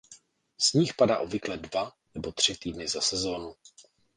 Sníh padá obvykle dva nebo tři týdny za sezónu.